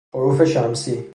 حروف شمسی